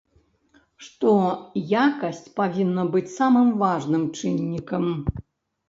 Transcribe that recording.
Што якасць павінна быць самым важным чыннікам.